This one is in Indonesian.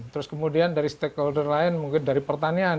terus kemudian dari stakeholder lain mungkin dari pertanian